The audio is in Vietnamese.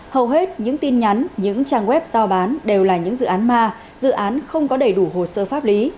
hầu hết những tin nhắn những trang web giao bán đều là những dự án ma dự án không có đầy đủ hồ sơ pháp lý